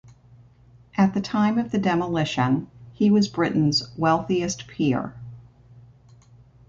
At the time of the demolition, he was Britain's wealthiest peer.